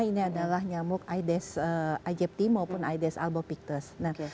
ini adalah nyamuk aedes aegypti maupun aedes albopictus